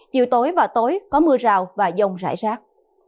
chiều tối và tối có mưa rào và giông rải rác